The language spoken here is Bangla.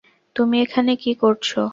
তুমি এখানে কী কোরছো?